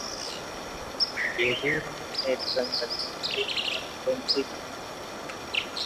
எதிர்மின்னேற்றங்கள் ஒன்றை மற்றொன்று ஈர்க்கும்.